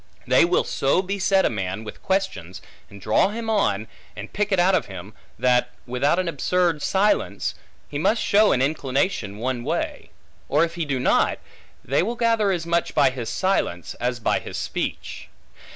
They will so beset a man with questions, and draw him on, and pick it out of him, that, without an absurd silence, he must show an inclination one way; or if he do not, they will gather as much by his silence, as by his speech.